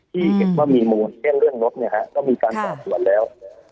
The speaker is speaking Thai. ที่เห็นว่ามีมูลเช่นเรื่องรถเนี่ยฮะก็มีการสอบสวนแล้ว